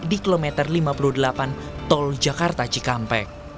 di kilometer lima puluh delapan tol jakarta cikampek